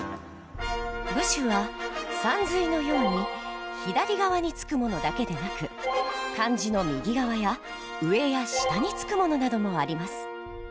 部首は「さんずい」のように左側につくものだけでなく漢字の右側や上や下につくものなどもあります。